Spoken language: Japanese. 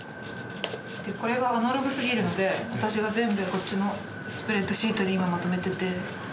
これがアナログすぎるので、私が全部こっちの、スプレッドシートに今、まとめてて。